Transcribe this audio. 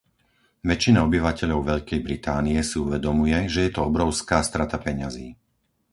Väčšina obyvateľov Veľkej Británie si uvedomuje, že je to obrovská strata peňazí.